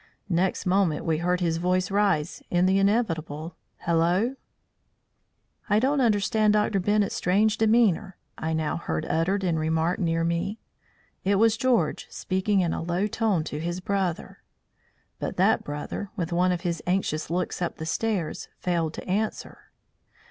Next moment we heard his voice rise in the inevitable "Hallo!" "I don't understand Dr. Bennett's strange demeanour," I now heard uttered in remark near me. It was George speaking in a low tone to his brother. But that brother, with one of his anxious looks up the stairs, failed to answer.